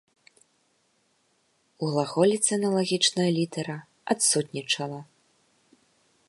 У глаголіцы аналагічная літара адсутнічала.